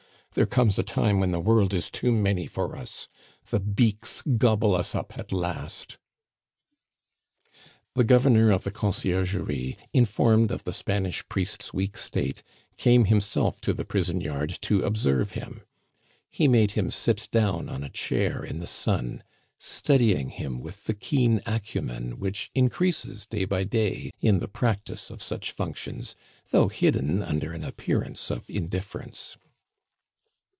"There comes a time when the world is too many for us! The beaks gobble us up at last." The governor of the Conciergerie, informed of the Spanish priest's weak state, came himself to the prison yard to observe him; he made him sit down on a chair in the sun, studying him with the keen acumen which increases day by day in the practise of such functions, though hidden under an appearance of indifference.